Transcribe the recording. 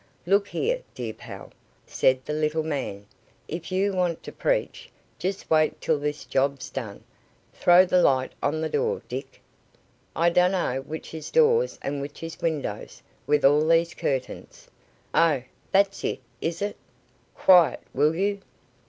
"Look here, my dear pal," said the little man; "if you want to preach, just wait till this job's done. Throw the light on the door, Dick." "I dunno which is doors and which is windows, with all these curtains. Oh, that's it, is it? Quiet, will you?"